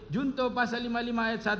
junto pasal lima puluh lima ayat satu